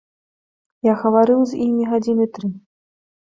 Я гаварыў з імі гадзіны тры.